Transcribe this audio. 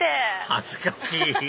恥ずかしい！